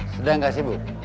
sedang gak sibuk